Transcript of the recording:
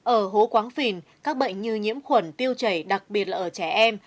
ở hố quáng phìn các bệnh như nhiễm khuẩn tiêu chảy đặc biệt là ở trẻ em